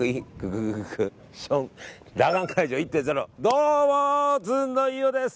どうも、ずん飯尾です！